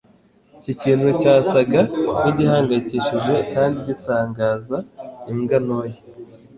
iki kintu cyasaga nkigihangayikishije kandi gitangaza imbwa ntoya